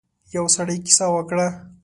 يو سړی کيسه وکړه.